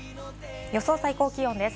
予想最高気温です。